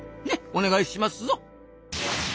お願いしますぞ！